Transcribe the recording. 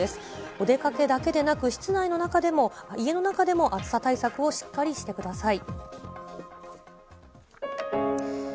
お出かけだけでなく、室内の中でも、家の中でも暑さ対策をしっかりしてください。